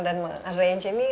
dan mengarrange ini